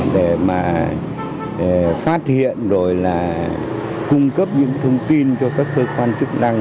để mà phát hiện rồi là cung cấp những thông tin cho các cơ quan chức năng